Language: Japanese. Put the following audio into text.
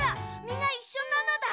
みがいっしょなのだ。